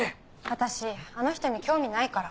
私あの人に興味ないから。